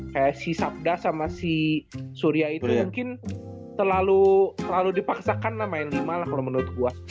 kayak si sabda sama si surya itu mungkin terlalu dipaksakan lah main lima lah kalau menurut gue